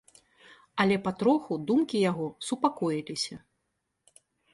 Але патроху думкі яго супакоіліся.